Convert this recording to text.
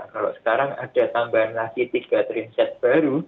kalau sekarang ada tambahan lagi tiga trainset baru